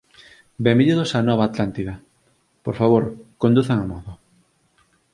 Benvidos á Nova Atlántida. Por favor, conduzan amodo.